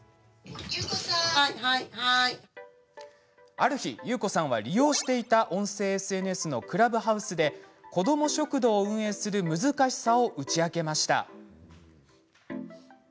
ある日、優子さんは利用していた音声ＳＮＳのクラブハウスで子ども食堂を運営する難しさを打ち明けました。